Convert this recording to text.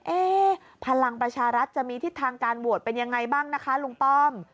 พลังประชารัฐจะมีทิศทางการโหวตเป็นยังไงบ้างนะคะลุงป้อม